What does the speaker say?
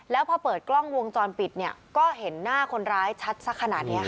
แล้วพอเปิดกล้องวงจรปิดเนี่ยก็เห็นหน้าคนร้ายชัดสักขนาดนี้ค่ะ